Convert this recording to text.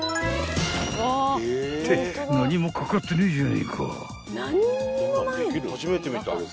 ［って何も掛かってねえじゃねえか］